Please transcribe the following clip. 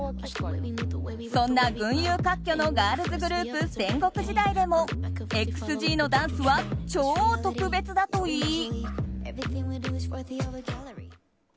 そんな群雄割拠のガールズグループ戦国時代でもＸＧのダンスは超特別だといい。